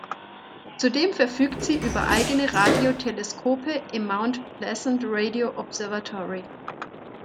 Zudem verfügt sie über eigene Radioteleskope im Mount Pleasant Radio Observatory.